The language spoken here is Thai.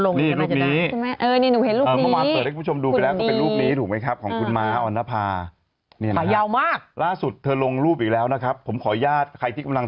นี่ม้าเขาถ่ายรูปถ่ายแฟชั่นมาก